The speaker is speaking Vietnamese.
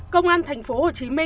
công an tp hcm